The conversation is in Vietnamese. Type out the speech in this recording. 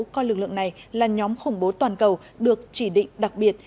coi lực lượng này là nhóm khủng bố toàn cầu được chỉ định đặc biệt